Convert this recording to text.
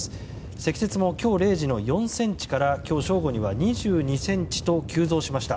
積雪も、今日０時の４ｃｍから今日正午には２２ｃｍと急増しました。